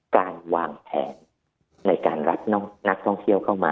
การวางแผนในการรับนักท่องเที่ยวเข้ามา